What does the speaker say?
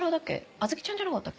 『あずきちゃん』じゃなかった？